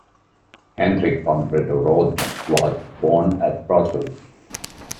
Hendrik van Brederode was born at Brussels.